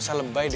ya udah pak be